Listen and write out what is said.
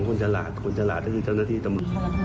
คนฉลาดควรจริงคิดยังไงครับ